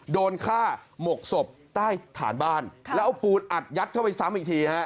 โดนฆ่าหมกศพใต้ฐานบ้านแล้วเอาปูนอัดยัดเข้าไปซ้ำอีกทีฮะ